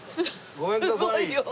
ごめんください。